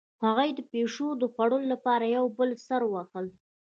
هغوی د پیشو د خوړلو لپاره یو بل سره وهل